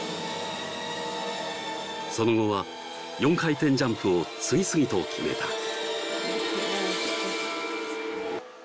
その後は４回転ジャンプを次々と決めた